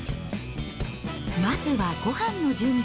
まずはごはんの準備。